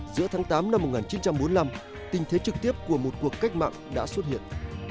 giữa tháng tám năm một nghìn chín trăm bốn mươi năm tình thế trực tiếp của một cuộc cách mạng đã xuất hiện